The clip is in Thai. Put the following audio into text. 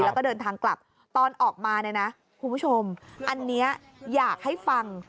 แล้วก็เดินทางกลับตอนออกมาเนี่ยนะคุณผู้ชมอันนี้อยากให้ฟัง